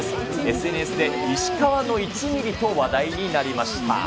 ＳＮＳで石川の１ミリと話題になりました。